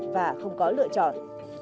và không có lựa chọn